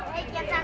baik ya santang